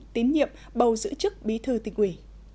tín nhiệm bầu giữ chức bí thư tỉnh ủy